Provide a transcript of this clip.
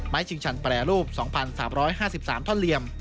ชิงชันแปรรูป๒๓๕๓ท่อนเหลี่ยม